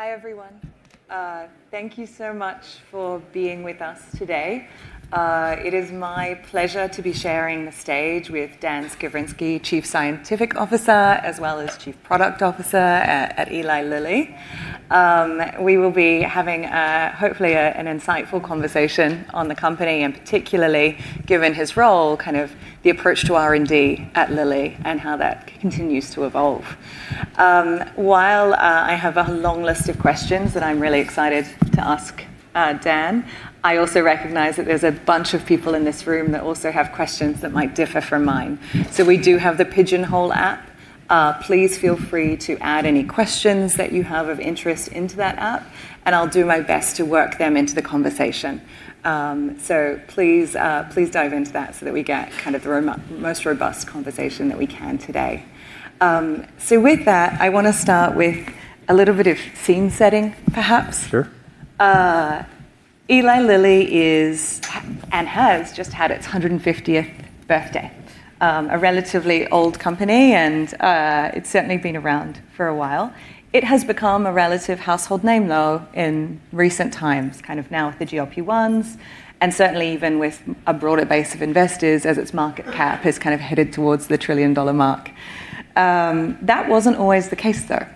Hi, everyone. Thank you so much for being with us today. It is my pleasure to be sharing the stage with Dan Skovronsky, Chief Scientific Officer, as well as Chief Product Officer at Eli Lilly. We will be having, hopefully, an insightful conversation on the company and particularly, given his role, the approach to R&D at Lilly and how that continues to evolve. While I have a long list of questions that I'm really excited to ask Dan, I also recognize that there's a bunch of people in this room that also have questions that might differ from mine. We do have the Pigeonhole app. Please feel free to add any questions that you have of interest into that app, and I'll do my best to work them into the conversation. Please dive into that so that we get the most robust conversation that we can today. With that, I want to start with a little bit of scene setting, perhaps. Sure. Eli Lilly is, and has just had its 150th birthday. A relatively old company and it's certainly been around for a while. It has become a relative household name, though, in recent times, now with the GLP-1s, and certainly even with a broader base of investors as its market cap has headed towards the trillion-dollar mark. That wasn't always the case, though.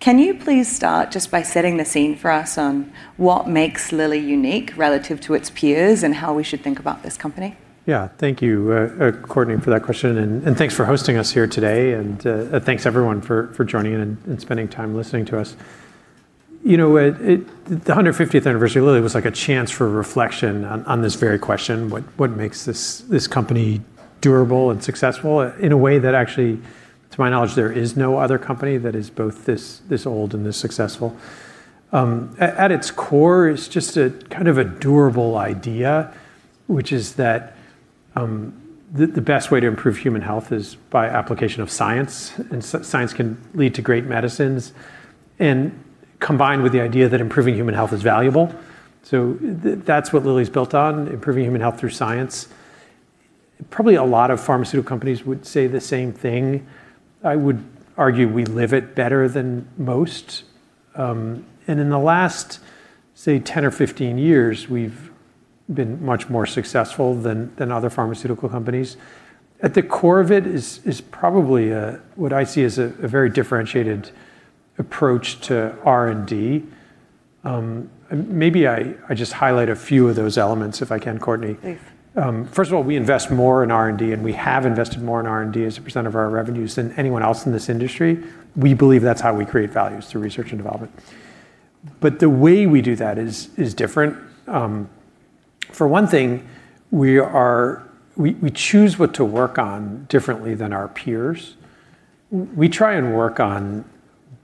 Can you please start just by setting the scene for us on what makes Lilly unique relative to its peers and how we should think about this company? Yeah. Thank you, Courtney, for that question and thanks for hosting us here today, and thanks everyone for joining and spending time listening to us. The 150th anniversary of Lilly was like a chance for reflection on this very question, what makes this company durable and successful in a way that actually, to my knowledge, there is no other company that is both this old and this successful. At its core, it's just a durable idea, which is that the best way to improve human health is by application of science. Science can lead to great medicines. Combined with the idea that improving human health is valuable. That's what Lilly's built on, improving human health through science. Probably a lot of pharmaceutical companies would say the same thing. I would argue we live it better than most. In the last, say, 10 or 15 years, we've been much more successful than other pharmaceutical companies. At the core of it is probably what I see as a very differentiated approach to R&D. Maybe I just highlight a few of those elements, if I can, Courtney. Please. First of all, we invest more in R&D and we have invested more in R&D as a percent of our revenue than anyone else in this industry. We believe that's how we create value, is through research and development. The way we do that is different. For one thing, we choose what to work on differently than our peers. We try and work on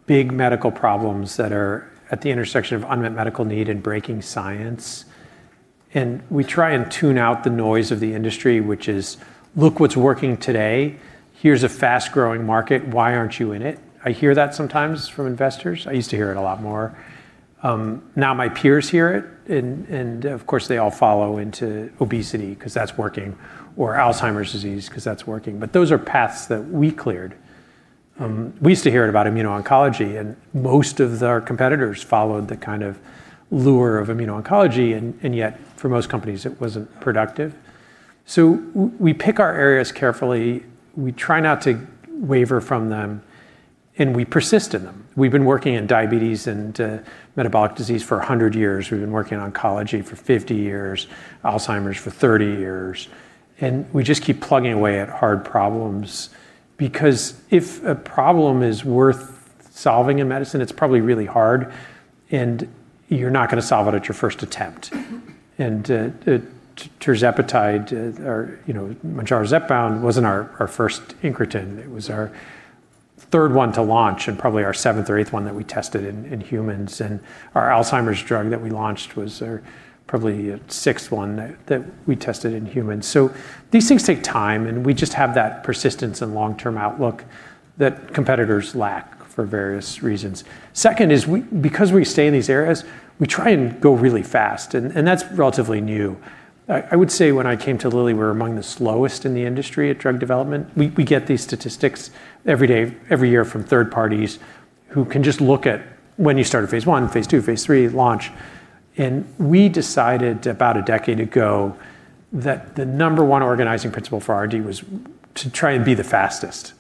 big medical problems that are at the intersection of unmet medical need and breaking science. We try and tune out the noise of the industry, which is, "Look what's working today. Here's a fast-growing market. Why aren't you in it?" I hear that sometimes from investors. I used to hear it a lot more. Now my peers hear it and of course, they all follow into obesity because that's working, or Alzheimer's disease because that's working, but those are paths that we cleared. We used to hear it about immuno-oncology, and most of our competitors followed the kind of lure of immuno-oncology, and yet, for most companies, it wasn't productive. We pick our areas carefully, we try not to waver from them, and we persist in them. We've been working in diabetes and metabolic disease for 100 years. We've been working in oncology for 50 years, Alzheimer's for 30 years. We just keep plugging away at hard problems because if a problem is worth solving in medicine, it's probably really hard and you're not going to solve it at your first attempt. Tirzepatide, or MOUNJARO or ZEPBOUND, wasn't our first incretin. It was our third one to launch, and probably our seventh or eighth one that we tested in humans. Our Alzheimer's drug that we launched was our probably sixth one that we tested in humans. These things take time, and we just have that persistence and long-term outlook that competitors lack for various reasons. Second is because we stay in these areas, we try and go really fast, and that's relatively new. I would say when I came to Lilly, we were among the slowest in the industry at drug development. We get these statistics every day, every year from third parties who can just look at when you started phase I, phase II, phase III, launch. We decided about a decade ago that the number 1 organizing principle for R&D was to try and be the fastest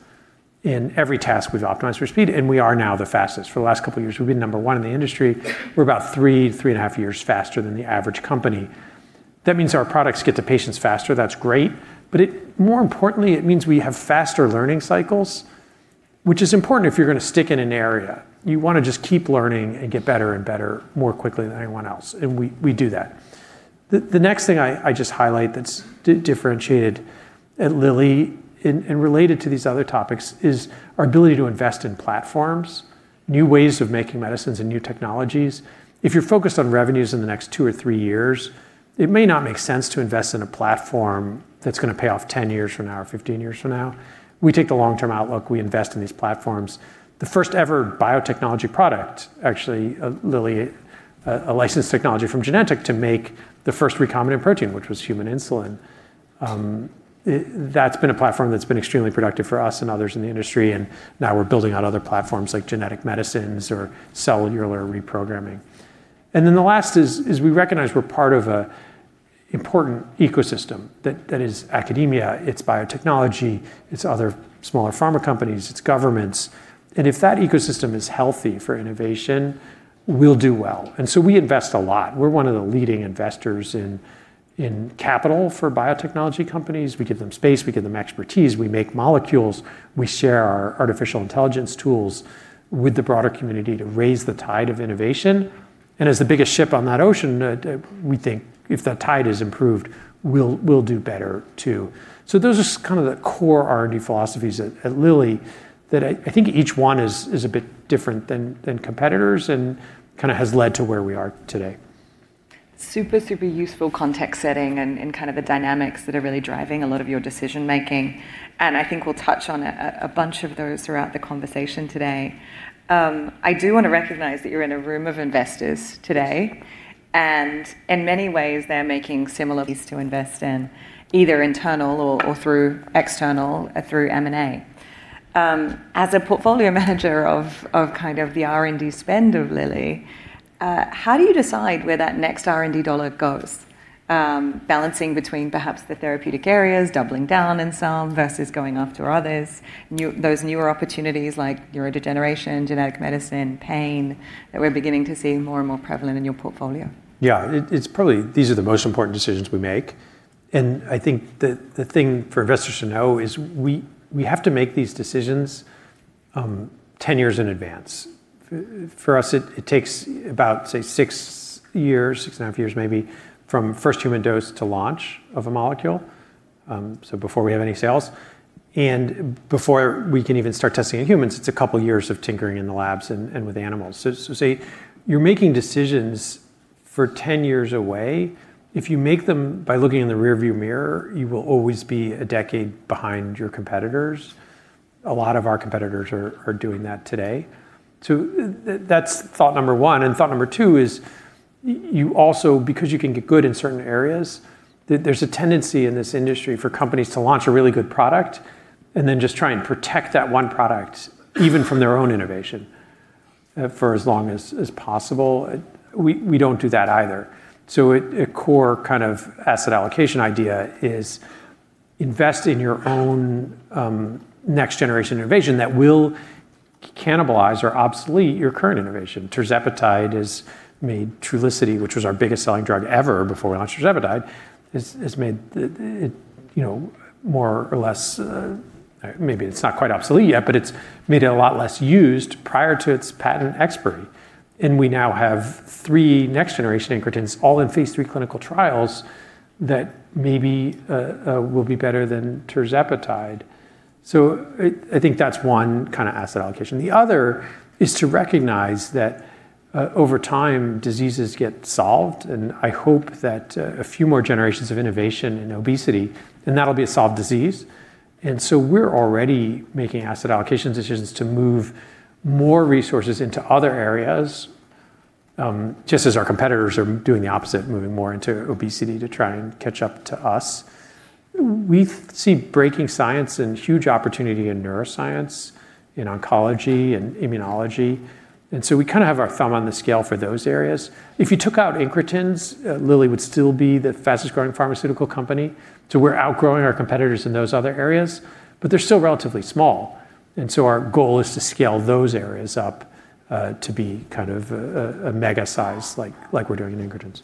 in every task we've optimized for speed, and we are now the fastest. For the last couple of years, we've been number 1 in the industry. We're about 3.5 years faster than the average company. That means our products get to patients faster. That's great, but more importantly, it means we have faster learning cycles, which is important if you're going to stick in an area. You want to just keep learning and get better and better more quickly than anyone else. We do that. The next thing I just highlight that's differentiated at Lilly and related to these other topics is our ability to invest in platforms, new ways of making medicines, and new technologies. If you're focused on revenues in the next two or three years, it may not make sense to invest in a platform that's going to pay off 10 years from now or 15 years from now. We take the long-term outlook. We invest in these platforms. The first ever biotechnology product, actually, Lilly licensed technology from Genentech to make the first recombinant protein, which was human insulin. That's been a platform that's been extremely productive for us and others in the industry. Now we're building out other platforms, like genetic medicines or cellular reprogramming. Then the last is, we recognize we're part of a important ecosystem that is academia, it's biotechnology, it's other smaller pharma companies, it's governments. If that ecosystem is healthy for innovation, we'll do well. So we invest a lot. We're one of the leading investors in capital for biotechnology companies. We give them space, we give them expertise, we make molecules, we share our artificial intelligence tools with the broader community to raise the tide of innovation. As the biggest ship on that ocean, we think if that tide is improved, we'll do better too. Those are kind of the core R&D philosophies at Lilly, that I think each one is a bit different than competitors and kind of has led to where we are today. Super, super useful context setting and kind of the dynamics that are really driving a lot of your decision-making. I think we'll touch on a bunch of those throughout the conversation today. I do want to recognize that you're in a room of investors today, and in many ways, they're making similar-- these to invest in, either internal or through external, through M&A. As a portfolio manager of kind of the R&D spend of Lilly, how do you decide where that next R&D dollar goes? Balancing between perhaps the therapeutic areas, doubling down in some versus going after others, those newer opportunities like neurodegeneration, genetic medicine, pain, that we're beginning to see more and more prevalent in your portfolio. Yeah. These are the most important decisions we make. I think the thing for investors to know is we have to make these decisions 10 years in advance. For us, it takes about, say, six years, six and a half years maybe, from first human dose to launch of a molecule. Before we have any sales. Before we can even start testing in humans, it's a couple years of tinkering in the labs and with animals. Say, you're making decisions for 10 years away. If you make them by looking in the rearview mirror, you will always be a decade behind your competitors. A lot of our competitors are doing that today. That's thought number 1. Thought number 2 is, you also, because you can get good in certain areas, there's a tendency in this industry for companies to launch a really good product and then just try and protect that one product, even from their own innovation, for as long as is possible. We don't do that either. A core kind of asset allocation idea is invest in your own next-generation innovation that will cannibalize or obsolete your current innovation. Tirzepatide has made Trulicity, which was our biggest selling drug ever before we launched tirzepatide, has made it more or less, maybe it's not quite obsolete yet, but it's made it a lot less used prior to its patent expiry. We now have three next-generation incretins all in phase III clinical trials that maybe will be better than tirzepatide. I think that's one kind of asset allocation. The other is to recognize that over time, diseases get solved, and I hope that a few more generations of innovation in obesity, and that'll be a solved disease. We're already making asset allocation decisions to move more resources into other areas, just as our competitors are doing the opposite, moving more into obesity to try and catch up to us. We see breaking science and huge opportunity in neuroscience, in oncology, and immunology. We kind of have our thumb on the scale for those areas. If you took out incretins, Lilly would still be the fastest growing pharmaceutical company. We're outgrowing our competitors in those other areas, but they're still relatively small. Our goal is to scale those areas up to be kind of a mega size like we're doing in incretins.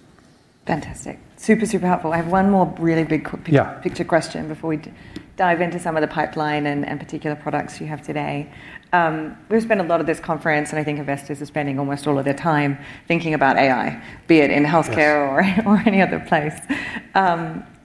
Fantastic. Super, super helpful. I have one more really big-. Yeah ...picture question before we dive into some of the pipeline and particular products you have today. We've spent a lot of this conference, I think investors are spending almost all of their time thinking about AI, be it in healthcare or any other place.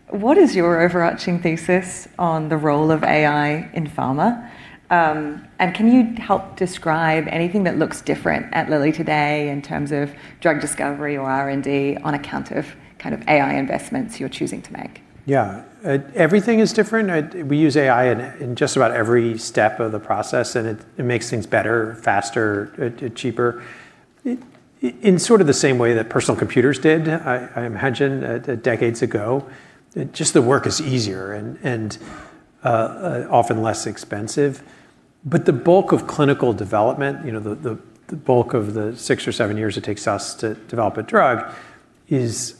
What is your overarching thesis on the role of AI in pharma? Can you help describe anything that looks different at Lilly today in terms of drug discovery or R&D on account of kind of AI investments you're choosing to make? Yeah. Everything is different. We use AI in just about every step of the process. It makes things better, faster, cheaper, in sort of the same way that personal computers did, I imagine, decades ago. Just the work is easier and often less expensive. The bulk of clinical development, the bulk of the six or seven years it takes us to develop a drug, is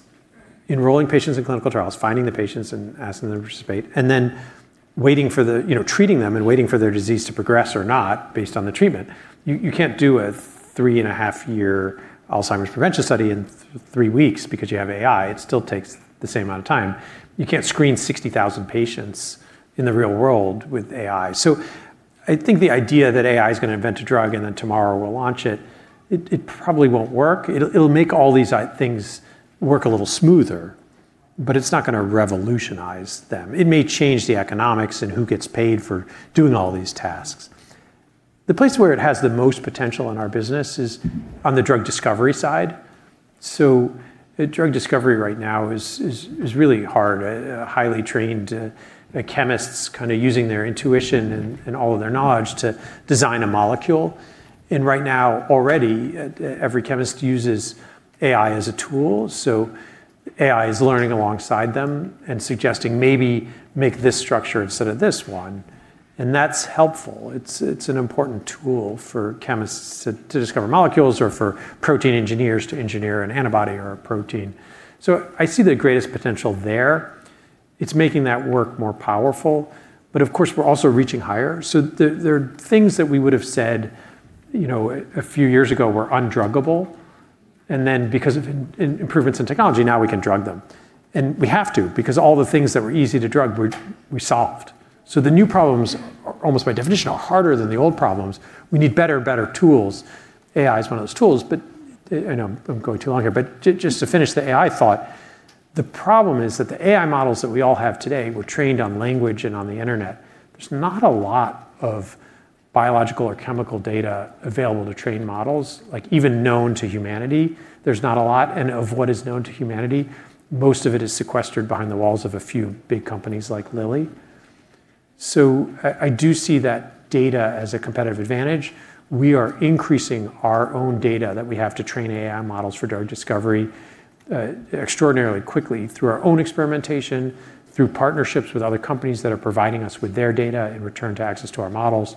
enrolling patients in clinical trials, finding the patients and asking them to participate, and then treating them and waiting for their disease to progress or not based on the treatment. You can't do a three-and-a-half year Alzheimer's prevention study in three weeks because you have AI. It still takes the same amount of time. You can't screen 60,000 patients in the real world with AI. I think the idea that AI is going to invent a drug and then tomorrow we'll launch it probably won't work. It'll make all these things work a little smoother, but it's not going to revolutionize them. It may change the economics and who gets paid for doing all these tasks. The place where it has the most potential in our business is on the drug discovery side. Drug discovery right now is really hard. Highly trained chemists kind of using their intuition and all of their knowledge to design a molecule. Right now, already, every chemist uses AI as a tool. AI is learning alongside them and suggesting, "Maybe make this structure instead of this one." That's helpful. It's an important tool for chemists to discover molecules or for protein engineers to engineer an antibody or a protein. I see the greatest potential there. It's making that work more powerful, but of course, we're also reaching higher. There are things that we would have said a few years ago were undruggable, and then because of improvements in technology, now we can drug them. We have to, because all the things that were easy to drug, we solved. The new problems are, almost by definition, are harder than the old problems. We need better tools. AI is one of those tools. I know I'm going too long here, but just to finish the AI thought, the problem is that the AI models that we all have today were trained on language and on the internet. There's not a lot of biological or chemical data available to train models. Like even known to humanity, there's not a lot. Of what is known to humanity, most of it is sequestered behind the walls of a few big companies like Lilly. I do see that data as a competitive advantage. We are increasing our own data that we have to train AI models for drug discovery extraordinarily quickly through our own experimentation, through partnerships with other companies that are providing us with their data in return to access to our models,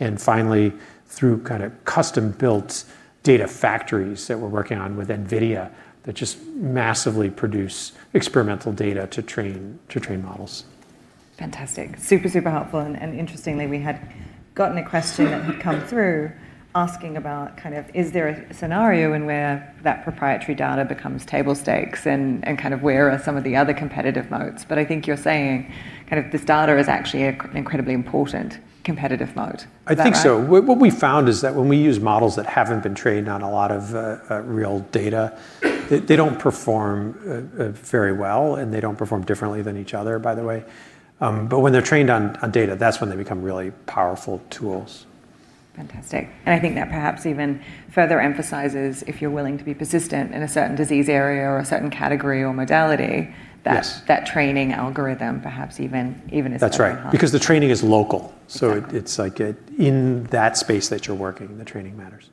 and finally, through kind of custom-built data factories that we're working on with NVIDIA that just massively produce experimental data to train models. Fantastic. Super helpful. Interestingly, we had gotten a question that had come through asking about kind of, is there a scenario in where that proprietary data becomes table stakes and kind of where are some of the other competitive moats? I think you're saying kind of this data is actually incredibly important competitive moat. Is that right? I think so. What we found is that when we use models that haven't been trained on a lot of real data, they don't perform very well, and they don't perform differently than each other, by the way. When they're trained on data, that's when they become really powerful tools. I think that perhaps even further emphasizes if you're willing to be persistent in a certain disease area or a certain category or modality- Yes. ...that training algorithm perhaps even. That's right, because the training is local. Exactly. It's like in that space that you're working, the training matters.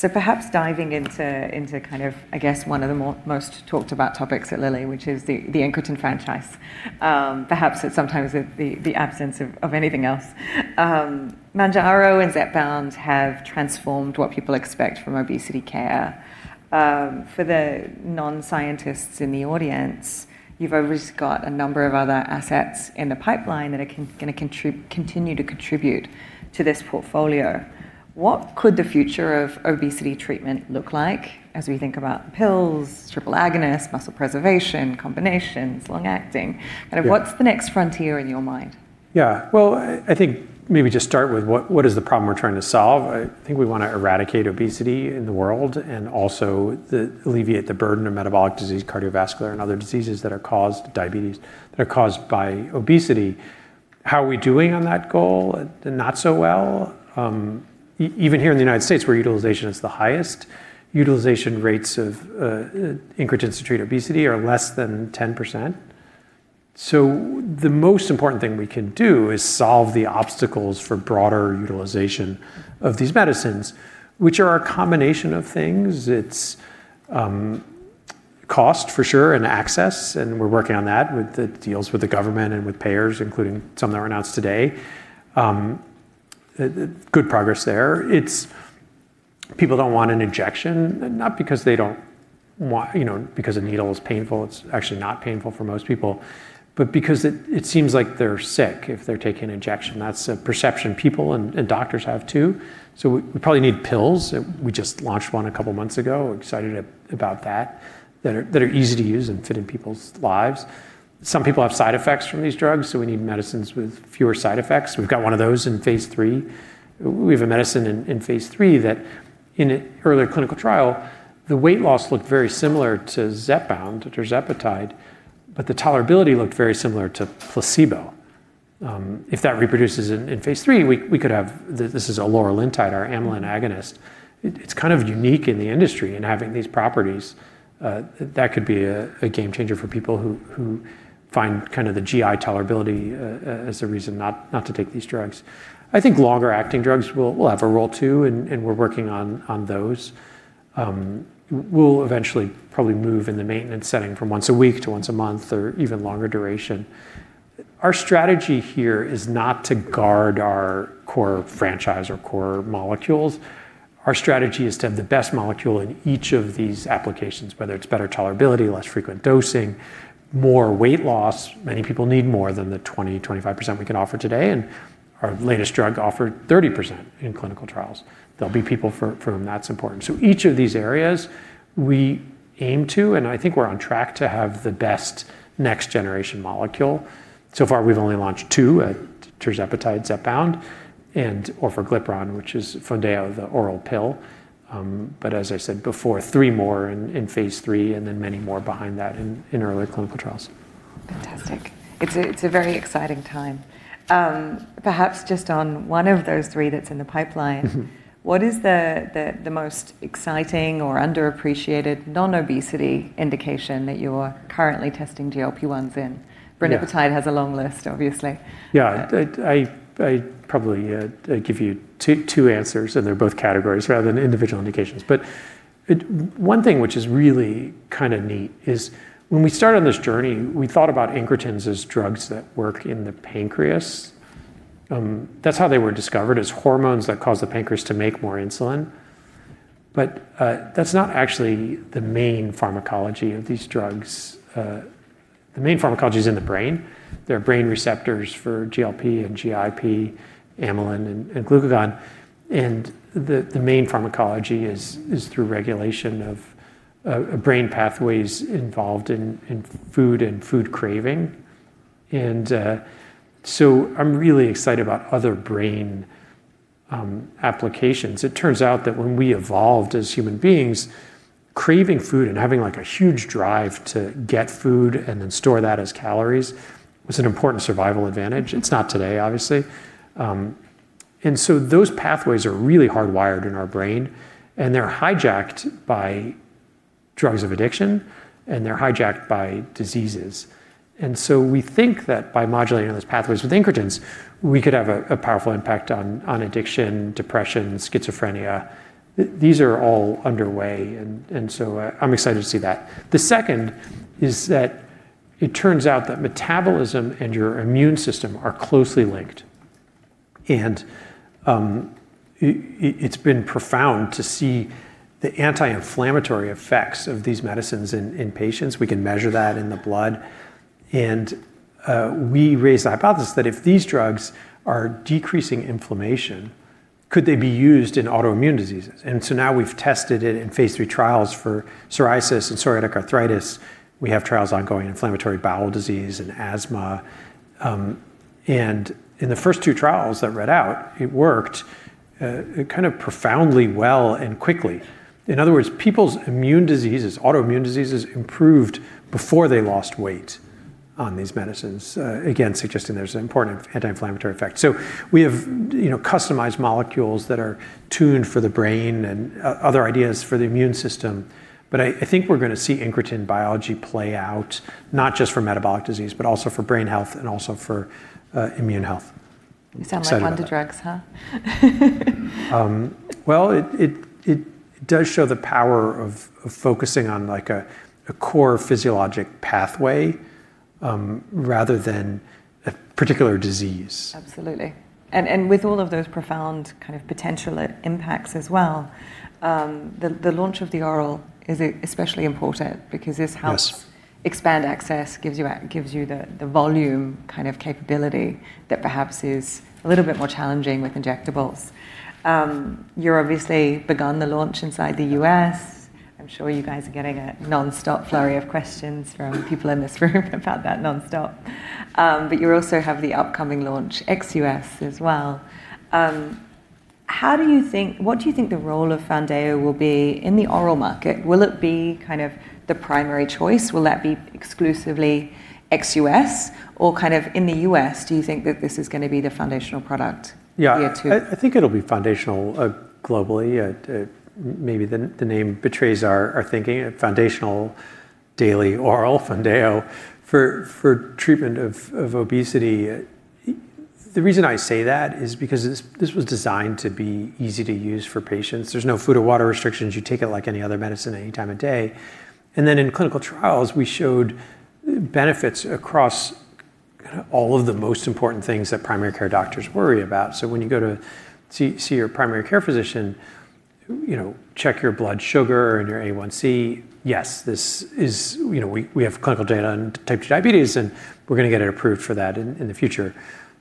Perhaps diving into kind of, I guess, one of the most talked about topics at Lilly, which is the incretin franchise. Perhaps it's sometimes the absence of anything else. MOUNJARO and ZEPBOUND have transformed what people expect from obesity care. For the non-scientists in the audience, you've obviously got a number of other assets in the pipeline that are going to continue to contribute to this portfolio. What could the future of obesity treatment look like as we think about pills, triple agonist, muscle preservation, combinations, long-acting? Yeah. Kind of what's the next frontier in your mind? Well, I think maybe just start with what is the problem we're trying to solve. I think we want to eradicate obesity in the world and also alleviate the burden of metabolic disease, cardiovascular, and other diseases, diabetes, that are caused by obesity. How are we doing on that goal? Not so well. Even here in the U.S., where utilization is the highest, utilization rates of incretins to treat obesity are less than 10%. The most important thing we can do is solve the obstacles for broader utilization of these medicines, which are a combination of things. It's cost, for sure, and access, and we're working on that with the deals with the government and with payers, including some that were announced today. Good progress there. It's people don't want an injection, not because a needle is painful, it's actually not painful for most people, but because it seems like they're sick if they're taking an injection. That's a perception people and doctors have, too. We probably need pills. We just launched one a couple of months ago, excited about that. That are easy to use and fit in people's lives. Some people have side effects from these drugs, so we need medicines with fewer side effects. We've got one of those in phase III. We have a medicine in phase III that in an earlier clinical trial, the weight loss looked very similar to ZEPBOUND, tirzepatide, but the tolerability looked very similar to placebo. If that reproduces in phase III, this is eloralintide, our amylin agonist. It's kind of unique in the industry in having these properties. That could be a game-changer for people who find kind of the GI tolerability as a reason not to take these drugs. I think longer-acting drugs will have a role, too, and we're working on those. We'll eventually probably move in the maintenance setting from once a week to once a month or even longer duration. Our strategy here is not to guard our core franchise or core molecules. Our strategy is to have the best molecule in each of these applications, whether it's better tolerability, less frequent dosing, more weight loss. Many people need more than the 20%-25% we can offer today, and our latest drug offered 30% in clinical trials. There'll be people for whom that's important. Each of these areas we aim to, and I think we're on track to have the best next-generation molecule. Far, we've only launched two, tirzepatide, ZEPBOUND, and orforglipron, which is FOUNDAYO, the oral pill. As I said before, three more in phase III, and then many more behind that in early clinical trials. Fantastic. It's a very exciting time. Perhaps just on one of those three that's in the pipeline. What is the most exciting or underappreciated non-obesity indication that you're currently testing GLP-1s in? Yeah. Retatrutide has a long list, obviously. Yeah. I probably give you two answers, and they're both categories rather than individual indications. One thing which is really kind of neat is when we started on this journey, we thought about incretins as drugs that work in the pancreas. That's how they were discovered, as hormones that cause the pancreas to make more insulin. That's not actually the main pharmacology of these drugs. The main pharmacology is in the brain. There are brain receptors for GLP and GIP, amylin, and glucagon, and the main pharmacology is through regulation of brain pathways involved in food and food craving. I'm really excited about other brain applications. It turns out that when we evolved as human beings, craving food and having a huge drive to get food and then store that as calories was an important survival advantage. It's not today, obviously. Those pathways are really hardwired in our brain, and they're hijacked by drugs of addiction, and they're hijacked by diseases. We think that by modulating those pathways with incretins, we could have a powerful impact on addiction, depression, schizophrenia. These are all underway, and so I'm excited to see that. The second is that it turns out that metabolism and your immune system are closely linked. It's been profound to see the anti-inflammatory effects of these medicines in patients. We can measure that in the blood. We raised the hypothesis that if these drugs are decreasing inflammation, could they be used in autoimmune diseases? Now we've tested it in phase III trials for psoriasis and psoriatic arthritis. We have trials ongoing in inflammatory bowel disease and asthma. In the first two trials that read out, it worked kind of profoundly well and quickly. In other words, people's autoimmune diseases improved before they lost weight on these medicines, again, suggesting there's an important anti-inflammatory effect. We have customized molecules that are tuned for the brain and other ideas for the immune system, but I think we're going to see incretin biology play out, not just for metabolic disease, but also for brain health and also for immune health. You sound like wonder drugs, huh? Well, it does show the power of focusing on a core physiologic pathway, rather than a particular disease. Absolutely. With all of those profound kind of potential impacts as well, the launch of the oral is especially important because this helps- Yes. ...expand access, gives you the volume kind of capability that perhaps is a little bit more challenging with injectables. You've obviously begun the launch inside the U.S. I'm sure you guys are getting a nonstop flurry of questions from people in this room about that nonstop. You also have the upcoming launch ex-U.S. as well. What do you think the role of FOUNDAYO will be in the oral market? Will it be kind of the primary choice? Will that be exclusively ex-U.S., or kind of in the U.S., do you think that this is going to be the foundational product- Yeah. ...here too? I think it'll be foundational globally. Maybe the name betrays our thinking, a foundational daily oral, FOUNDAYO, for treatment of obesity. The reason I say that is because this was designed to be easy to use for patients. There's no food or water restrictions. You take it like any other medicine any time of day. Then in clinical trials, we showed benefits across all of the most important things that primary care doctors worry about. When you go to see your primary care physician, check your blood sugar and your A1C, yes, we have clinical data on type 2 diabetes, and we're going to get it approved for that in the future.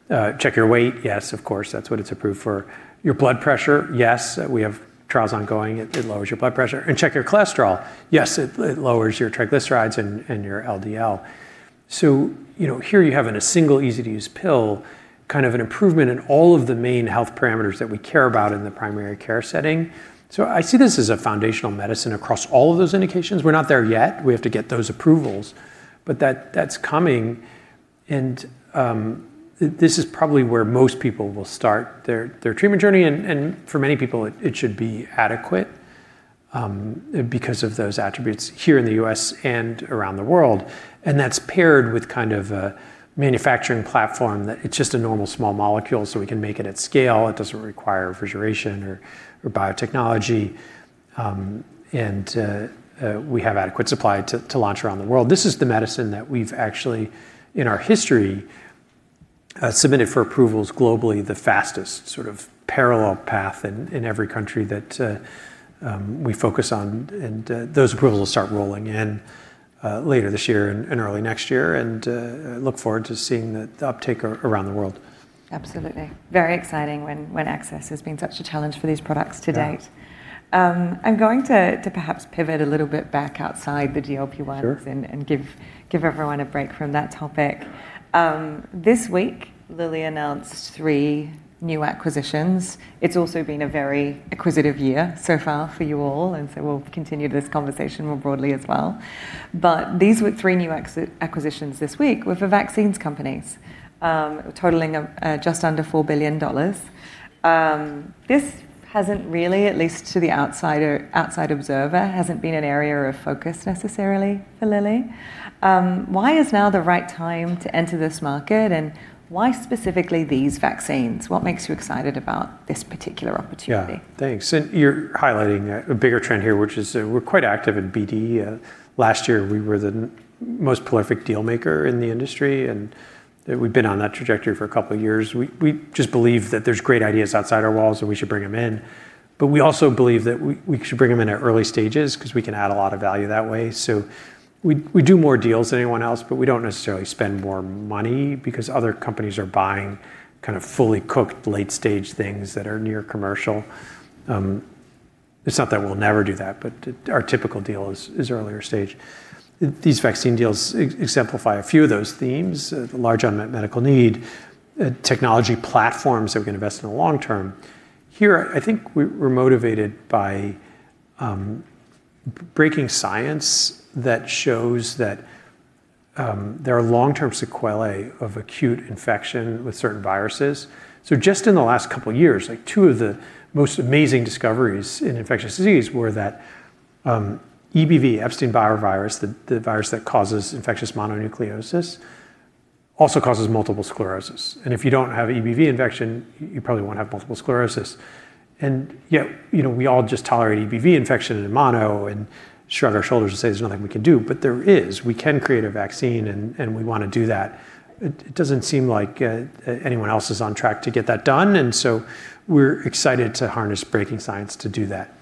Check your weight. Yes, of course. That's what it's approved for. Your blood pressure. Yes. We have trials ongoing. It lowers your blood pressure. Check your cholesterol. Yes, it lowers your triglycerides and your LDL. Here you have, in a single easy to use pill, kind of an improvement in all of the main health parameters that we care about in the primary care setting. I see this as a foundational medicine across all of those indications. We're not there yet. We have to get those approvals. That's coming and this is probably where most people will start their treatment journey, and for many people, it should be adequate because of those attributes here in the U.S., and around the world. That's paired with kind of a manufacturing platform that it's just a normal small molecule, so we can make it at scale. It doesn't require refrigeration or biotechnology. We have adequate supply to launch around the world. This is the medicine that we've actually, in our history, submitted for approvals globally, the fastest sort of parallel path in every country that we focus on, and those approvals will start rolling in later this year and early next year. I look forward to seeing the uptake around the world. Absolutely. Very exciting when access has been such a challenge for these products to date. Yeah. I'm going to perhaps pivot a little bit back outside the GLP-1s. Sure. Give everyone a break from that topic. This week, Lilly announced three new acquisitions. It's also been a very acquisitive year so far for you all. We'll continue this conversation more broadly as well. These were three new acquisitions this week with the vaccines companies, totaling just under $4 billion. This hasn't really, at least to the outside observer, hasn't been an area of focus necessarily for Lilly. Why is now the right time to enter this market, and why specifically these vaccines? What makes you excited about this particular opportunity? Yeah. Thanks. You're highlighting a bigger trend here, which is we're quite active in BD. Last year, we were the most prolific deal maker in the industry. We've been on that trajectory for a couple of years. We just believe that there's great ideas outside our walls. We should bring them in. We also believe that we should bring them in at early stages because we can add a lot of value that way. We do more deals than anyone else. We don't necessarily spend more money because other companies are buying fully cooked, late-stage things that are near commercial. It's not that we'll never do that. Our typical deal is earlier stage. These vaccine deals exemplify a few of those themes. Large unmet medical need, technology platforms that we can invest in the long term. Here, I think we're motivated by breaking science that shows that there are long-term sequelae of acute infection with certain viruses. Just in the last couple of years, two of the most amazing discoveries in infectious disease were that EBV, Epstein-Barr virus, the virus that causes infectious mononucleosis, also causes multiple sclerosis. If you don't have EBV infection, you probably won't have multiple sclerosis. Yet, we all just tolerate EBV infection and mono and shrug our shoulders and say there's nothing we can do. There is. We can create a vaccine, and we want to do that. It doesn't seem like anyone else is on track to get that done, and so we're excited to harness breaking science to do that.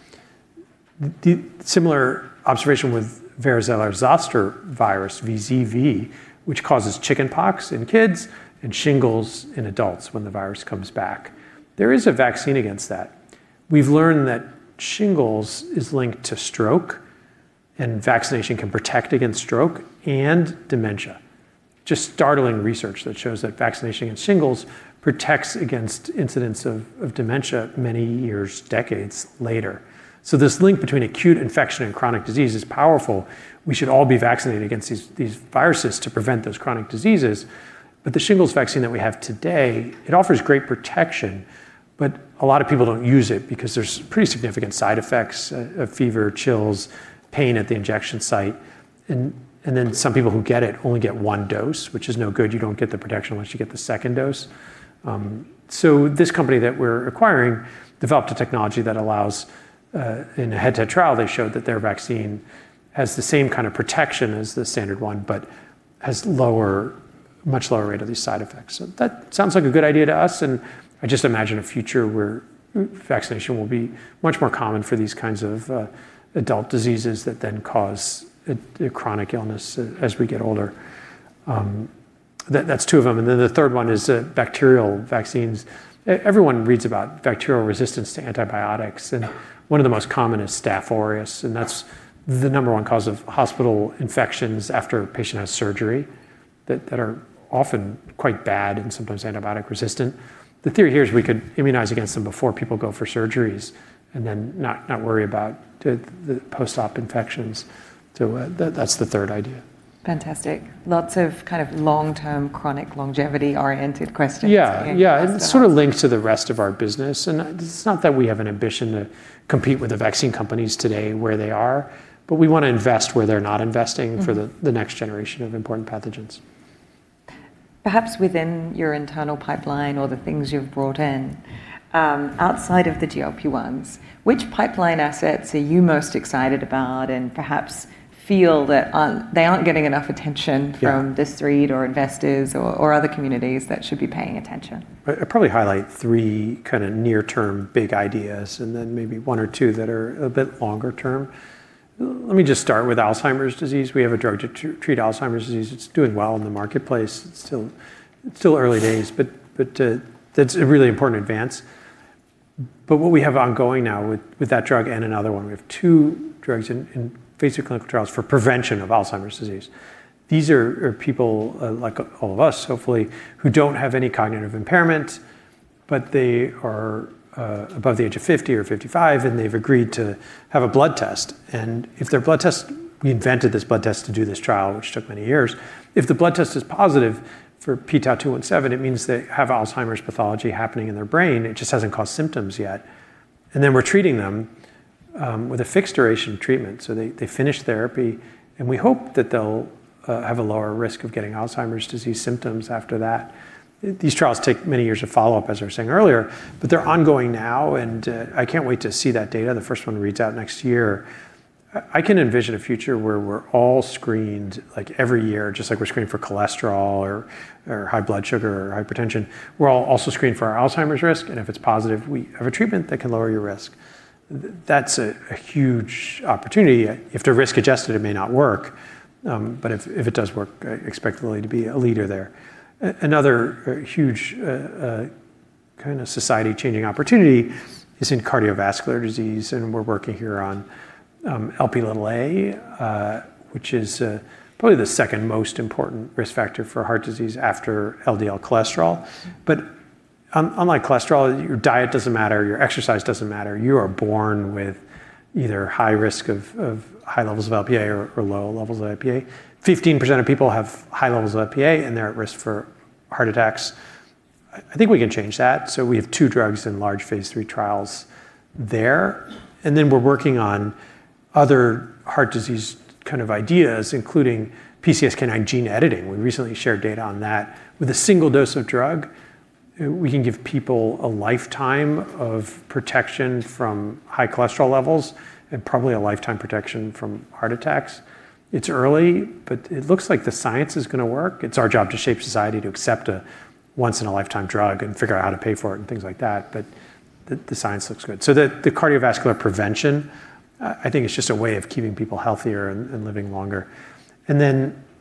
Similar observation with varicella-zoster virus, VZV, which causes chickenpox in kids and shingles in adults when the virus comes back. There is a vaccine against that. We've learned that shingles is linked to stroke, and vaccination can protect against stroke and dementia. Just startling research that shows that vaccination against shingles protects against incidence of dementia many years, decades, later. This link between acute infection and chronic disease is powerful. We should all be vaccinated against these viruses to prevent those chronic diseases. The shingles vaccine that we have today, it offers great protection, but a lot of people don't use it because there's pretty significant side effects of fever, chills, pain at the injection site. Then some people who get it only get one dose, which is no good. You don't get the protection unless you get the second dose. This company that we're acquiring developed a technology that allows, in a head-to-head trial, they showed that their vaccine has the same kind of protection as the standard one, but has much lower rate of these side effects. That sounds like a good idea to us, and I just imagine a future where vaccination will be much more common for these kinds of adult diseases that then cause a chronic illness as we get older. That's two of them, and then the third one is bacterial vaccines. Everyone reads about bacterial resistance to antibiotics, and one of the most common is Staph aureus, and that's the number 1 cause of hospital infections after a patient has surgery that are often quite bad and sometimes antibiotic resistant. The theory here is we could immunize against them before people go for surgeries and then not worry the post-op infections. That's the third idea. Fantastic. Lots of long-term, chronic, longevity-oriented questions. Yeah. For you guys to have. Yeah, sort of linked to the rest of our business. It's not that we have an ambition to compete with the vaccine companies today where they are, but we want to invest where they're not investing for the next generation of important pathogens. Perhaps within your internal pipeline or the things you've brought in, outside of the GLP-1s, which pipeline assets are you most excited about and perhaps feel that they aren't getting enough attention- Yeah. ...from this read or investors or other communities that should be paying attention? I'd probably highlight three near-term big ideas, then maybe one or two that are a bit longer term. Let me just start with Alzheimer's disease. We have a drug to treat Alzheimer's disease. It's doing well in the marketplace. It's still early days. That's a really important advance. What we have ongoing now with that drug and another one, we have two drugs in basic clinical trials for prevention of Alzheimer's disease. These are people, like all of us, hopefully, who don't have any cognitive impairment, but they are above the age of 50 or 55, and they've agreed to have a blood test. We invented this blood test to do this trial, which took many years. If the blood test is positive for p-tau217, it means they have Alzheimer's pathology happening in their brain. It just hasn't caused symptoms yet. We're treating them with a fixed duration of treatment, so they finish therapy, and we hope that they'll have a lower risk of getting Alzheimer's disease symptoms after that. These trials take many years of follow-up, as I was saying earlier, but they're ongoing now, and I can't wait to see that data. The first one reads out next year. I can envision a future where we're all screened every year, just like we're screened for cholesterol or high blood sugar or hypertension. We're all also screened for our Alzheimer's risk, and if it's positive, we have a treatment that can lower your risk. That's a huge opportunity. If they're risk-adjusted, it may not work. But if it does work, I expect Lilly to be a leader there. Another huge society-changing opportunity is in cardiovascular disease, and we're working here on Lp(a), which is probably the second most important risk factor for heart disease after LDL cholesterol. Unlike cholesterol, your diet doesn't matter, your exercise doesn't matter. You are born with either high risk of high levels of Lp(a) or low levels of Lp(a). 15% of people have high levels of Lp(a), and they're at risk for heart attacks. I think we can change that, so we have two drugs in large phase III trials there. We're working on other heart disease ideas, including PCSK9 gene editing. We recently shared data on that. With a single dose of drug, we can give people a lifetime of protection from high cholesterol levels and probably a lifetime protection from heart attacks. It's early, but it looks like the science is going to work. It's our job to shape society to accept a once in a lifetime drug and figure out how to pay for it and things like that. The science looks good. The cardiovascular prevention, I think it's just a way of keeping people healthier and living longer.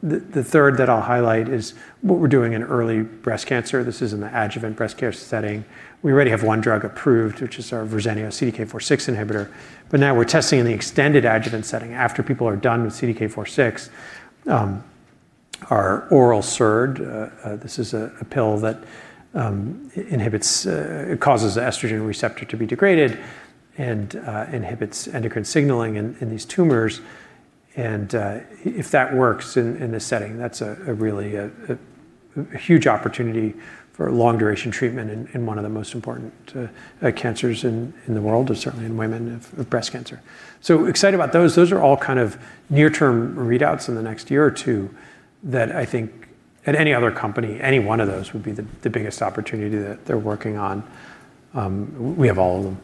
The third that I'll highlight is what we're doing in early breast cancer. This is in the adjuvant breast cancer setting. We already have one drug approved, which is our Verzenio CDK4/6 inhibitor. Now we're testing in the extended adjuvant setting after people are done with CDK4/6, our oral SERD. This is a pill that causes the estrogen receptor to be degraded and inhibits endocrine signaling in these tumors. If that works in this setting, that's really a huge opportunity for long duration treatment in one of the most important cancers in the world, or certainly in women, of breast cancer. Excited about those. Those are all near term readouts in the next year or two that I think at any other company, any one of those would be the biggest opportunity that they're working on. We have all of them.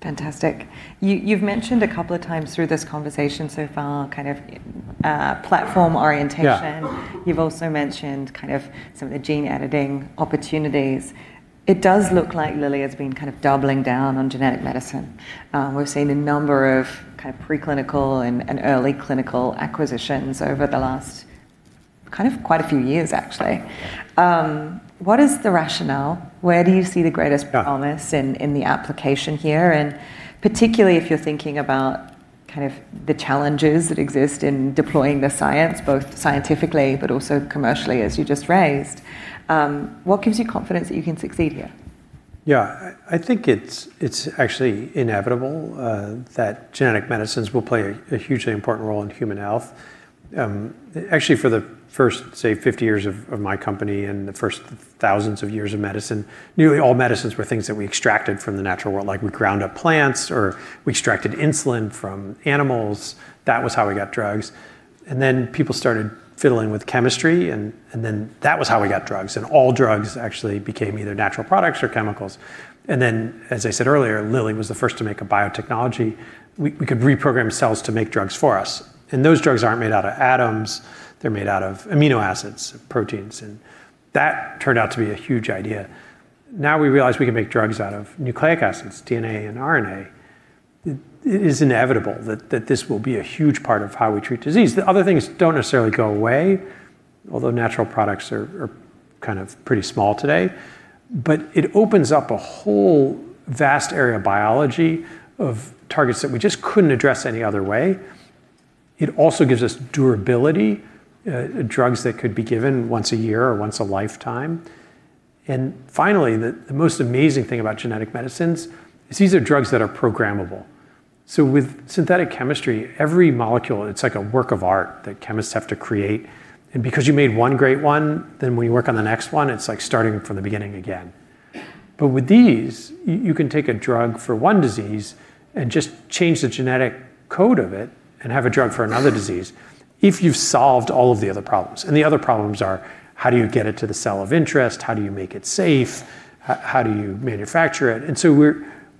Fantastic. You've mentioned a couple of times through this conversation so far, kind of platform orientation. Yeah. You've also mentioned some of the gene editing opportunities. It does look like Lilly has been kind of doubling down on genetic medicine. We've seen a number of kind of preclinical and early clinical acquisitions over the last, quite a few years, actually. Yeah. What is the rationale? Where do you see the greatest- Yeah. ...promise in the application here? Particularly if you're thinking about the challenges that exist in deploying the science, both scientifically but also commercially, as you just raised, what gives you confidence that you can succeed here? Yeah. I think it's actually inevitable that genetic medicines will play a hugely important role in human health. Actually, for the first, say, 50 years of my company and the first thousands of years of medicine, nearly all medicines were things that we extracted from the natural world. Like we ground up plants, or we extracted insulin from animals. That was how we got drugs. People started fiddling with chemistry, and then that was how we got drugs. All drugs actually became either natural products or chemicals. As I said earlier, Lilly was the first to make a biotechnology. We could reprogram cells to make drugs for us, and those drugs aren't made out of atoms, they're made out of amino acids, proteins, and that turned out to be a huge idea. Now we realize we can make drugs out of nucleic acids, DNA, and RNA. It is inevitable that this will be a huge part of how we treat disease. The other things don't necessarily go away, although natural products are kind of pretty small today. It opens up a whole vast area of biology of targets that we just couldn't address any other way. It also gives us durability, drugs that could be given once a year or once a lifetime. Finally, the most amazing thing about genetic medicines is these are drugs that are programmable. With synthetic chemistry, every molecule, it's like a work of art that chemists have to create. Because you made one great one, then when you work on the next one, it's like starting from the beginning again. With these, you can take a drug for one disease and just change the genetic code of it and have a drug for another disease if you've solved all of the other problems. The other problems are, how do you get it to the cell of interest? How do you make it safe? How do you manufacture it?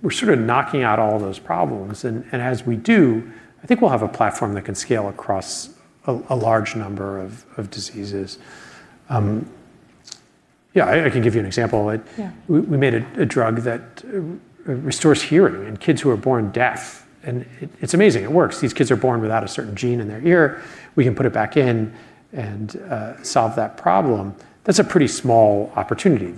We're sort of knocking out all those problems. As we do, I think we'll have a platform that can scale across a large number of diseases. Yeah, I can give you an example of it. Yeah. We made a drug that restores hearing in kids who are born deaf, it's amazing. It works. These kids are born without a certain gene in their ear. We can put it back in and solve that problem. That's a pretty small opportunity.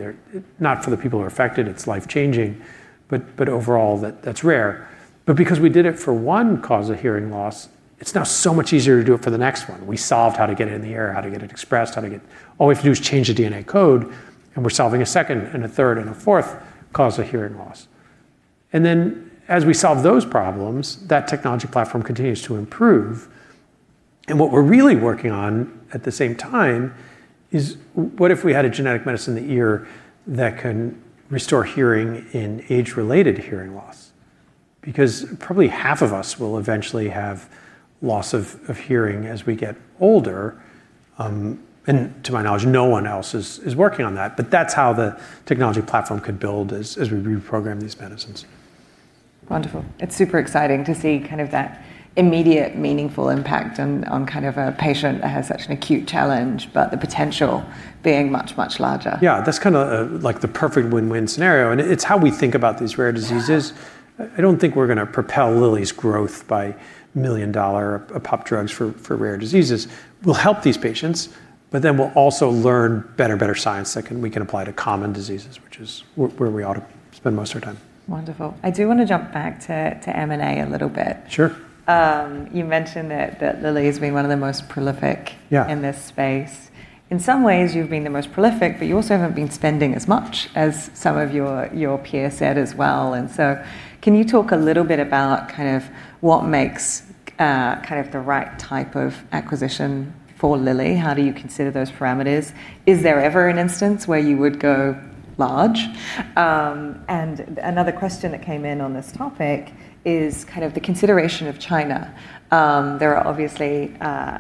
Not for the people who are affected, it's life-changing, but overall, that's rare. Because we did it for one cause of hearing loss, it's now so much easier to do it for the next one. We solved how to get it in the ear, how to get it expressed. All we have to do is change the DNA code, and we're solving a second, and a third, and a fourth cause of hearing loss. As we solve those problems, that technology platform continues to improve. What we're really working on at the same time is, what if we had a genetic medicine in the ear that can restore hearing in age-related hearing loss? Because probably half of us will eventually have loss of hearing as we get older. To my knowledge, no one else is working on that, but that's how the technology platform could build as we reprogram these medicines. Wonderful. It is super exciting to see that immediate, meaningful impact on a patient that has such an acute challenge, but the potential being much, much larger. Yeah. That's kind of the perfect win-win scenario, and it's how we think about these rare diseases. Yeah. I don't think we're going to propel Lilly's growth by million-dollar-a-pop drugs for rare diseases. We'll help these patients, but then we'll also learn better science that we can apply to common diseases, which is where we ought to spend most of our time. Wonderful. I do want to jump back to M&A a little bit. Sure. You mentioned that Lilly has been one of the most prolific- Yeah. ...in this space. In some ways you've been the most prolific, but you also haven't been spending as much as some of your peer set as well. Can you talk a little bit about what makes the right type of acquisition for Lilly? How do you consider those parameters? Is there ever an instance where you would go large? Another question that came in on this topic is the consideration of China. There are obviously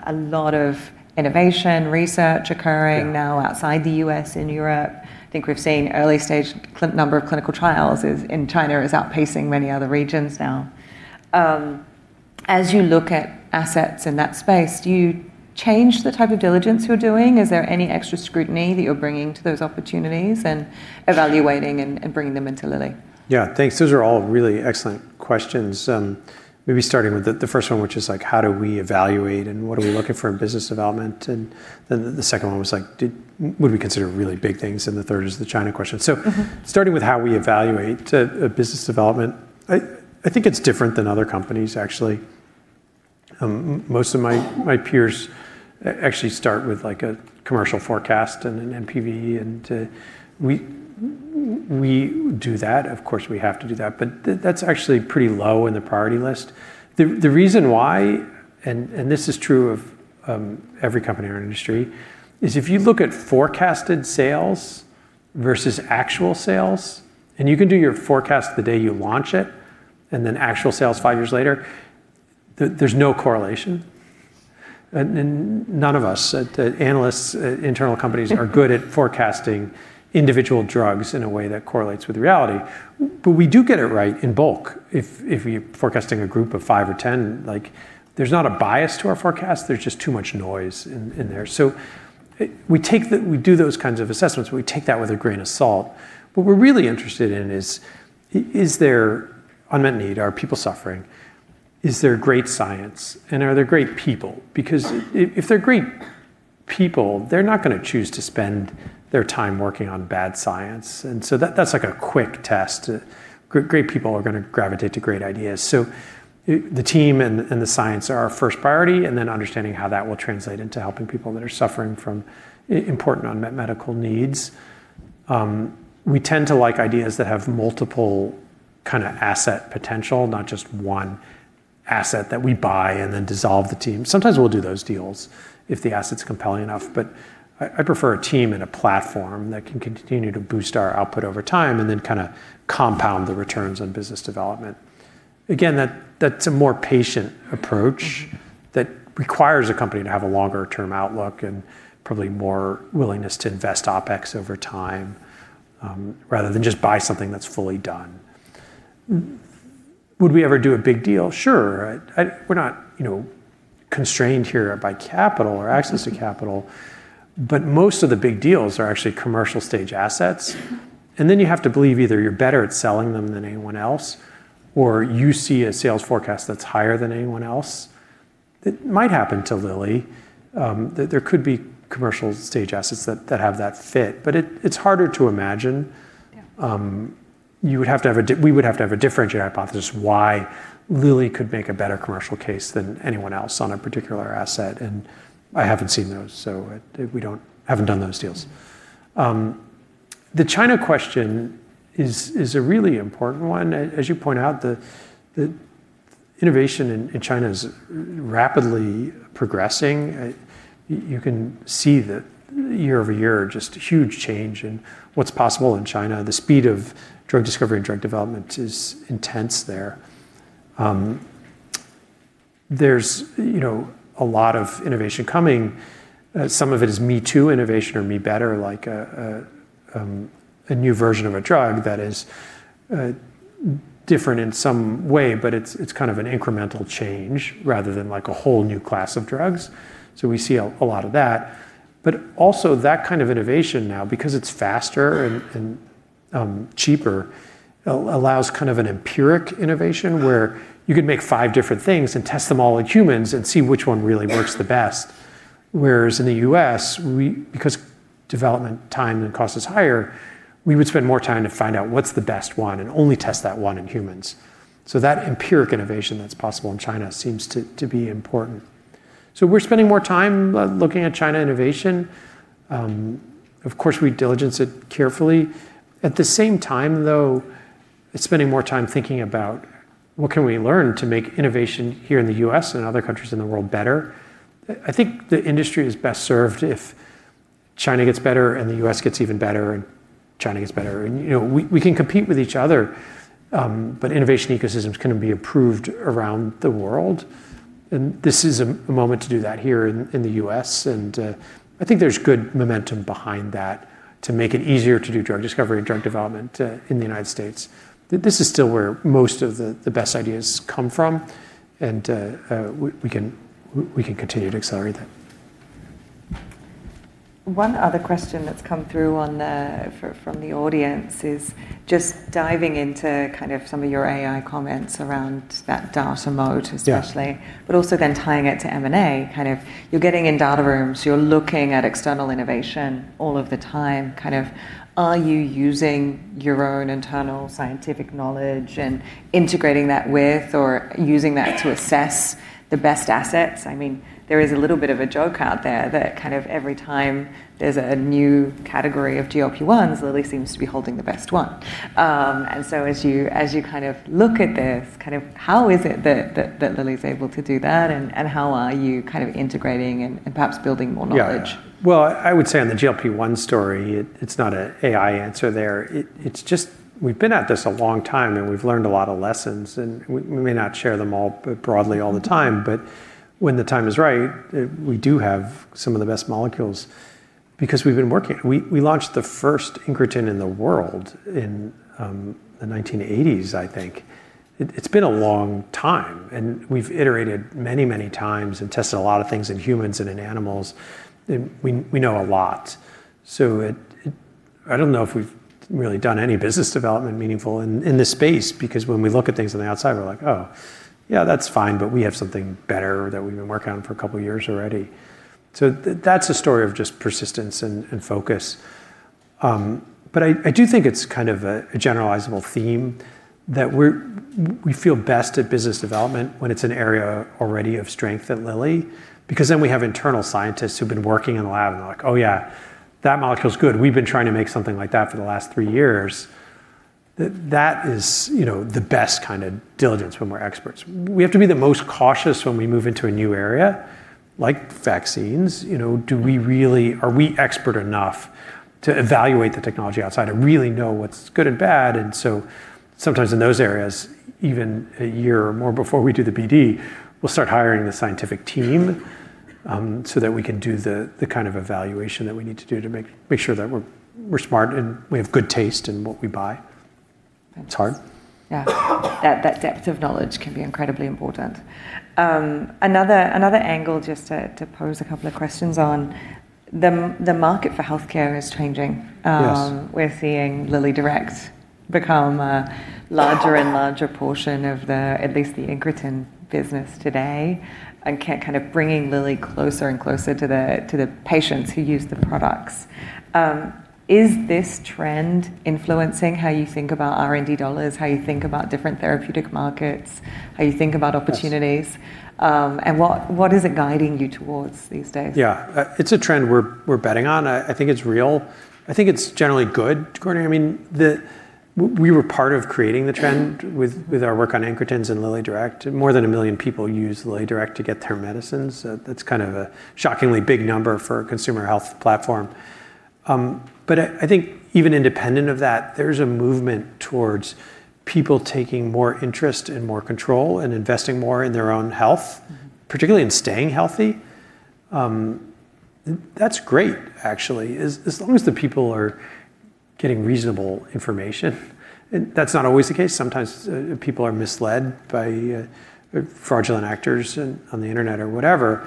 a lot of innovation, research occurring now- Yeah. ...outside the U.S., in Europe. I think we've seen early-stage number of clinical trials in China is outpacing many other regions now. As you look at assets in that space, do you change the type of diligence you're doing? Is there any extra scrutiny that you're bringing to those opportunities and evaluating and bringing them into Lilly? Yeah, thanks. Those are all really excellent questions. Maybe starting with the first one, which is like how do we evaluate and what are we looking for in business development? Then the second one was like would we consider really big things? The third is the China question. Starting with how we evaluate a business development, I think it's different than other companies actually. Most of my peers actually start with a commercial forecast and an NPV, and we do that. Of course, we have to do that, but that's actually pretty low in the priority list. The reason why, and this is true of every company in our industry, is if you look at forecasted sales versus actual sales, and you can do your forecast the day you launch it, and then actual sales five years later, there's no correlation. None of us analysts, internal companies, are good at forecasting individual drugs in a way that correlates with reality. We do get it right in bulk. If you're forecasting a group of five or 10, there's not a bias to our forecast, there's just too much noise in there. We do those kinds of assessments, but we take that with a grain of salt. What we're really interested in is there unmet need? Are people suffering? Is there great science and are there great people? Because if they're great people, they're not going to choose to spend their time working on bad science. That's like a quick test. Great people are going to gravitate to great ideas. The team and the science are our first priority, and then understanding how that will translate into helping people that are suffering from important unmet medical needs. We tend to like ideas that have multiple kind of asset potential, not just one asset that we buy and then dissolve the team. Sometimes we'll do those deals if the asset's compelling enough. I prefer a team and a platform that can continue to boost our output over time and then kind of compound the returns on business development. Again, that's a more patient approach that requires a company to have a longer-term outlook and probably more willingness to invest OpEx over time, rather than just buy something that's fully done. Would we ever do a big deal? Sure. We're not constrained here by capital or access to capital. Most of the big deals are actually commercial stage assets. You have to believe either you're better at selling them than anyone else, or you see a sales forecast that's higher than anyone else. It might happen to Lilly, that there could be commercial stage assets that have that fit, but it's harder to imagine. Yeah. We would have to have a differentiated hypothesis why Lilly could make a better commercial case than anyone else on a particular asset, and I haven't seen those, so we haven't done those deals. The China question is a really important one as you point out, the innovation in China is rapidly progressing. You can see that year over year, just huge change in what's possible in China. The speed of drug discovery and drug development is intense there. There's a lot of innovation coming. Some of it is me too innovation or me better, like a new version of a drug that is different in some way, but it's kind of an incremental change rather than like a whole new class of drugs. We see a lot of that, but also that kind of innovation now, because it's faster and cheaper, allows kind of an empiric innovation where you could make five different things and test them all in humans and see which one really works the best. In the U.S., because development time and cost is higher, we would spend more time to find out what's the best one and only test that one in humans. That empiric innovation that's possible in China seems to be important. We are spending more time looking at China innovation, of course with diligence and carefully. At the same time, though, it's spending more time thinking about what can we learn to make innovation here in the U.S. and other countries in the world better? I think the industry is best served if China gets better and the U.S. gets even better and China gets better. We can compete with each other, but innovation ecosystems can be improved around the world, and this is a moment to do that here in the U.S. I think there's good momentum behind that to make it easier to do drug discovery and drug development in the United States. This is still where most of the best ideas come from, and we can continue to accelerate that. One other question that is come through from the audience is just diving into kind of some of your AI comments around that data moat especially. Yeah. Also then tying it to M&A. You're getting in data rooms, you're looking at external innovation all of the time. Are you using your own internal scientific knowledge and integrating that with or using that to assess the best assets? There is a little bit of a joke out there that every time there's a new category of GLP-1s, Lilly seems to be holding the best one. As you look at this, how is it that Lilly's able to do that, and how are you integrating and perhaps building more knowledge? Yeah. Well, I would say on the GLP-1 story, it is not an AI answer there. It is just we have been at this a long time. We have learned a lot of lessons. We may not share them all broadly all the time, but when the time is right, we do have some of the best molecules. We have been working. We launched the first incretin in the world in the 1980s, I think. It has been a long time. We have iterated many, many times and tested a lot of things in humans and in animals. We know a lot. I don't know if we've really done any business development meaningful in this space, because when we look at things on the outside, we're like, "Oh, yeah, that's fine, but we have something better that we've been working on for a couple of years already." That's a story of just persistence and focus. I do think it's kind of a generalizable theme that we feel best at business development when it's an area already of strength at Lilly, because then we have internal scientists who've been working in the lab, and they're like, "Oh, yeah, that molecule's good. We've been trying to make something like that for the last three years." That is the best kind of diligence when we're experts. We have to be the most cautious when we move into a new area, like vaccines. Are we expert enough to evaluate the technology outside and really know what's good and bad? Sometimes in those areas, even a year or more before we do the BD, we'll start hiring the scientific team, so that we can do the kind of evaluation that we need to do to make sure that we're smart and we have good taste in what we buy. It's hard. That depth of knowledge can be incredibly important. Another angle, just to pose a couple of questions on. The market for healthcare is changing. Yes. We're seeing LillyDirect become a larger and larger portion of at least the incretin business today, kind of bringing Lilly closer and closer to the patients who use the products. Is this trend influencing how you think about R&D dollars, how you think about different therapeutic markets, how you think about opportunities? Yes. What is it guiding you towards these days? Yeah. It's a trend we're betting on. I think it's real. I think it's generally good, Courtney. We were part of creating the trend with our work on incretins and LillyDirect. More than 1 million people use LillyDirect to get their medicines. That's kind of a shockingly big number for a consumer health platform. I think even independent of that, there's a movement towards people taking more interest and more control and investing more in their own health. particularly in staying healthy. That's great, actually. As long as the people are getting reasonable information, and that's not always the case. Sometimes people are misled by fraudulent actors on the internet or whatever.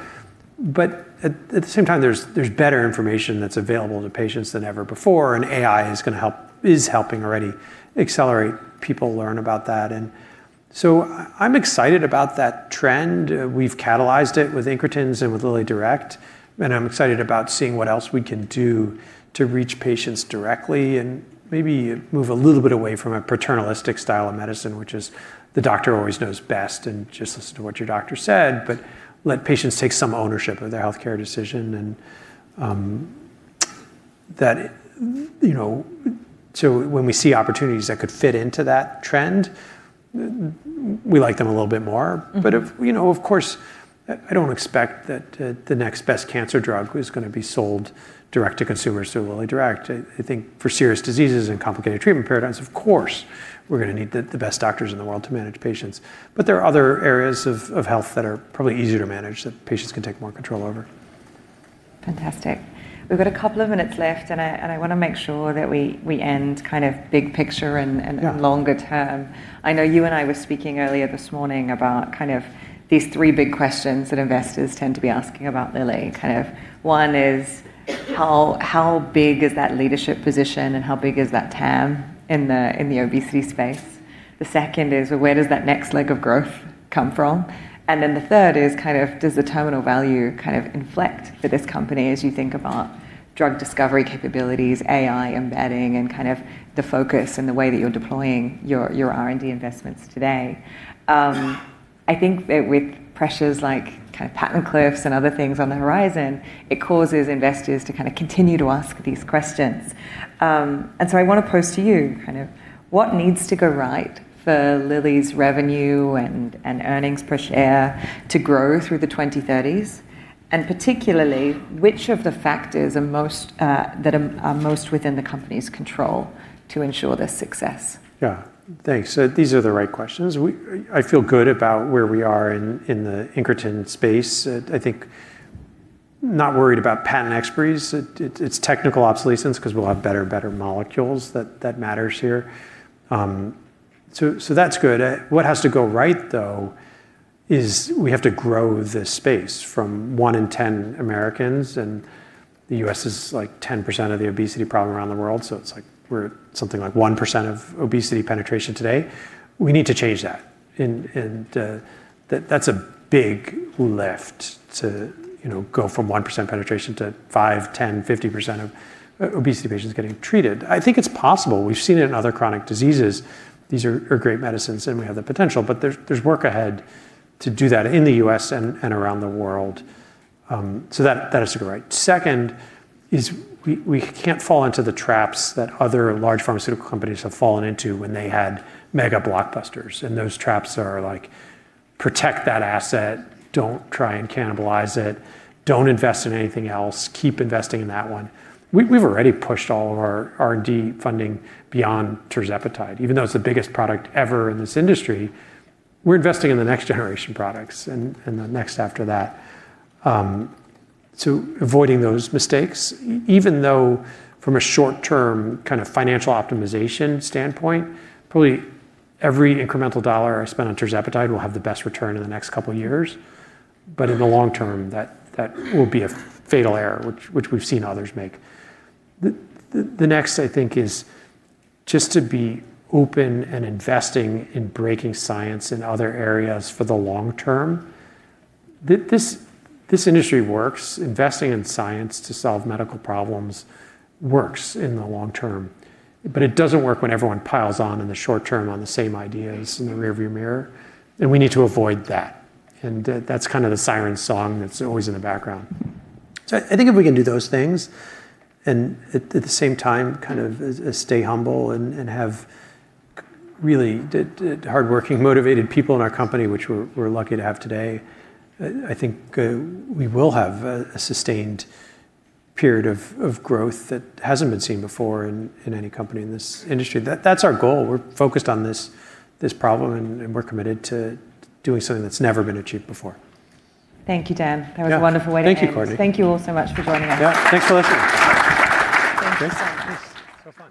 At the same time, there's better information that's available to patients than ever before, and AI is going to help, is helping already accelerate people learn about that. I'm excited about that trend. We've catalyzed it with incretins and with LillyDirect, and I'm excited about seeing what else we can do to reach patients directly and maybe move a little bit away from a paternalistic style of medicine, which is the doctor always knows best and just listen to what your doctor said, but let patients take some ownership of their healthcare decision and so when we see opportunities that could fit into that trend, we like them a little bit more. Of course, I don't expect that the next best cancer drug is going to be sold direct to consumers through LillyDirect. I think for serious diseases and complicated treatment paradigms, of course, we're going to need the best doctors in the world to manage patients. There are other areas of health that are probably easier to manage that patients can take more control over. Fantastic. We've got a couple of minutes left, I want to make sure that we end kind of big picture- Yeah. ...and longer term. I know you and I were speaking earlier this morning about kind of these three big questions that investors tend to be asking about Lilly. Kind of one is, how big is that leadership position and how big is that TAM in the obesity space? The second is, where does that next leg of growth come from? The third is kind of does the terminal value kind of inflect for this company as you think about drug discovery capabilities, AI embedding, and kind of the focus and the way that you're deploying your R&D investments today? I think that with pressures like kind of patent cliffs and other things on the horizon, it causes investors to kind of continue to ask these questions. I want to pose to you kind of what needs to go right for Lilly's revenue and earnings per share to grow through the 2030s? Particularly, which of the factors are most within the company's control to ensure this success? Yeah. Thanks. These are the right questions. I feel good about where we are in the incretin space. I think not worried about patent expiries. It's technical obsolescence because we'll have better and better molecules that matters here. That's good. What has to go right, though, is we have to grow this space from one in 10 Americans, the U.S. is like 10% of the obesity problem around the world. It's like we're something like 1% of obesity penetration today. We need to change that's a big lift to go from 1% penetration to 5%, 10%, 50% of obesity patients getting treated. I think it's possible. We've seen it in other chronic diseases. These are great medicines, we have the potential, there's work ahead to do that in the U.S. and around the world. That has to go right. Second is we can't fall into the traps that other large pharmaceutical companies have fallen into when they had mega blockbusters, and those traps are like, protect that asset, don't try and cannibalize it, don't invest in anything else, keep investing in that one. We've already pushed all of our R&D funding beyond tirzepatide. Even though it's the biggest product ever in this industry, we're investing in the next generation products and the next after that. Avoiding those mistakes, even though from a short-term kind of financial optimization standpoint, probably every incremental dollar spent on tirzepatide will have the best return in the next couple of years. In the long term, that will be a fatal error, which we've seen others make. The next, I think, is just to be open and investing in breaking science in other areas for the long term. This industry works. Investing in science to solve medical problems works in the long term, but it doesn't work when everyone piles on in the short term on the same ideas in the rearview mirror, and we need to avoid that, and that's kind of the siren song that's always in the background. I think if we can do those things, and at the same time kind of stay humble and have really hardworking, motivated people in our company, which we're lucky to have today, I think we will have a sustained period of growth that hasn't been seen before in any company in this industry. That's our goal. We're focused on this problem, and we're committed to doing something that's never been achieved before. Thank you, Dan. Yeah. That was a wonderful way to end. Thank you, Courtney. Thank you all so much for joining us. Yeah. Thanks so much. Thank you so much. Yes. Have fun.